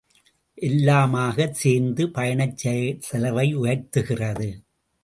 எல்லாமாகச் சேர்ந்து பயணச்செலவை உயர்த்துகிறது.